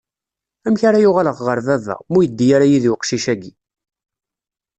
Amek ara uɣaleɣ ɣer baba, ma ur iddi ara yid-i uqcic-agi?